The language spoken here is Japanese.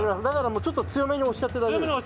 だからもうちょっと強めに押しちゃって大丈夫。